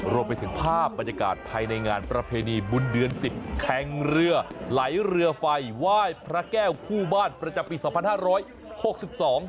รวมไปถึงภาพบรรยากาศภายในงานประเพณีบุญเดือน๑๐แข่งเรือไหลเรือไฟว่ายพระแก้วคู่บ้านประจำปี๒๕๖๒